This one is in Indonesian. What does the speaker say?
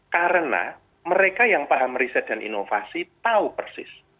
karena mereka yang paham riset dan inovasi tahu persis